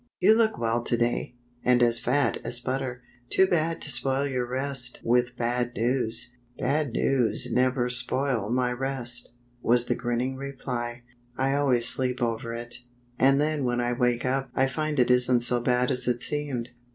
" You look well to day, and as fat as butter. Too bad to spoil your rest with bad news."" "Bad news never spoil my rest," was the grinning reply. "I always sleep over it, and then when I wake up I find it isn't so bad as it seemed."